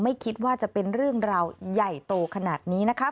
ไม่คิดว่าจะเป็นเรื่องราวใหญ่โตขนาดนี้นะคะ